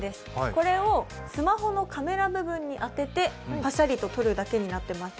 これをスマホのカメラ部分に当ててパシャリと撮るだけになっています。